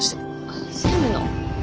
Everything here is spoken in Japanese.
あっ専務の。